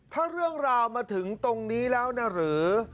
ถ้าเรื่องราวมาถึงตรงนี้แล้วนะหรือ